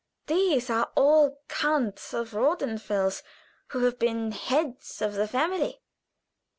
These are all counts of Rothenfels, who have been heads of the family.